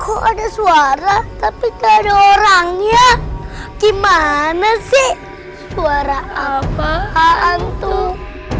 kok ada suara tapi ke ada orangnya gimana sih suara apaan tuh